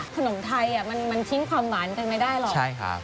ขนมไทยมันทิ้งความหวานกันไม่ได้หรอกใช่ครับ